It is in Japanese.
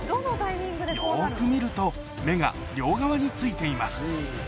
よく見ると目が両側についています